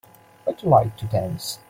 Would you like to dance?